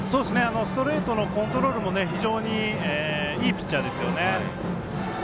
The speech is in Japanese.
ストレートのコントロールも非常にいいピッチャーですよね。